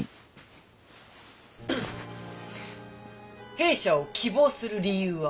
弊社を希望する理由は？